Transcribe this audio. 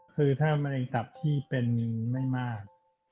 คือถ้ามะเร็งตับที่เป็นไม่มาก